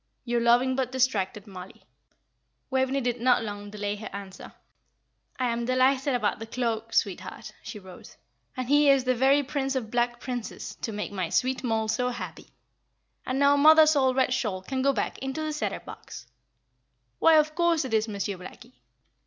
"Your loving but distracted "MOLLIE." Waveney did not long delay her answer. "I am delighted about the cloak, sweetheart," she wrote, "and he is the very Prince of Black Princes, to make my sweet Moll so happy; and now mother's old red shawl can go back into the cedar box. "Why, of course it is Monsieur Blackie.